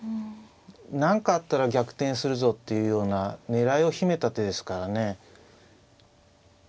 何かあったら逆転するぞっていうような狙いを秘めた手ですからね。